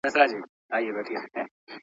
څه پیسې لرې څه زر څه مرغلري.